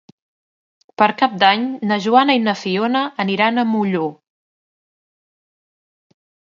Per Cap d'Any na Joana i na Fiona aniran a Molló.